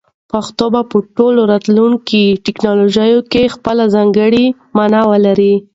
پښتو به په ټولو راتلونکو ټکنالوژیو کې خپله ځانګړې مانا ولري.